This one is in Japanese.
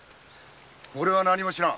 俺は何も知らん。